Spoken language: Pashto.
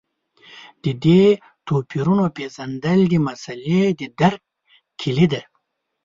د دې توپیرونو پېژندل د مسألې د درک کیلي ده.